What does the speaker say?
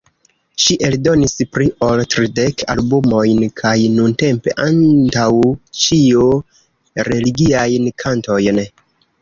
Ŝi eldonis pli ol tridek albumojn kaj nuntempe antaŭ ĉio religiajn kantojn.